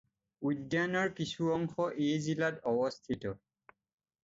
উদ্যানৰ কিছু অংশ এই জিলাত অৱস্থিত।